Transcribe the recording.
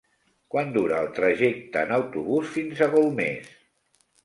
Quant dura el trajecte en autobús fins a Golmés?